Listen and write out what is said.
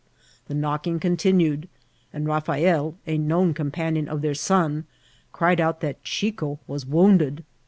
The knocking continued, and Baffiiel, a known companion of their son, cried out that Chico was wounded.